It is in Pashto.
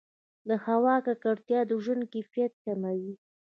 د هوا ککړتیا د ژوند کیفیت کموي.